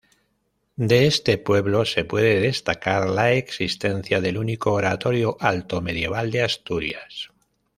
De este pueblo se puede destacar la existencia del único oratorio altomedieval de Asturias.